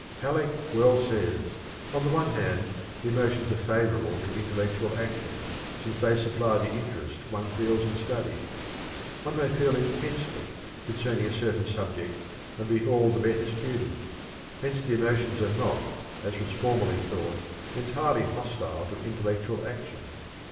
Halleck well says: "On the one hand the emotions are favorable to intellectual action, since they supply the interest one feels in study. One may feel intensely concerning a certain subject and be all the better student. Hence the emotions are not, as was formerly thought, entirely hostile to intellectual action.